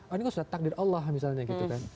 oh ini kan sudah takdir allah misalnya gitu kan